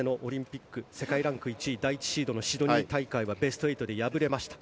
第１シードのシドニー大会はベスト８で敗れました。